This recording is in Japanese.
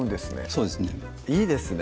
そうですねいいですね